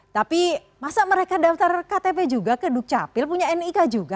tapi masa mereka daftar ktp juga ke dukcapil punya nik juga